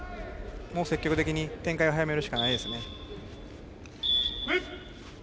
積極的に展開を早めるしかないですね。